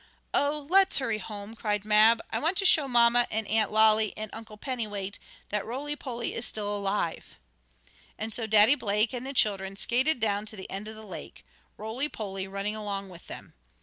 "Oh, let's hurry home!" cried Mab. "I want to show mamma and Aunt Lolly and Uncle Pennywait that Roly Poly is still alive." And so Daddy Blake and the children skated down to the end of the lake, Roly Poly running along with them.